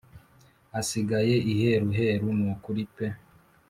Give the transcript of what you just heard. asigaye iheruheru nukuri pe